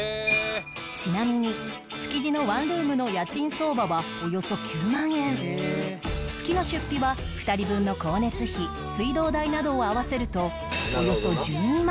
ちなみに築地のワンルームの家賃相場はおよそ９万円月の出費は２人分の光熱費水道代などを合わせると